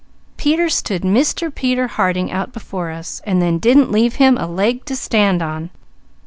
Peter stood Mister Peter Harding out before us, and then didn't leave him a leg to stand on.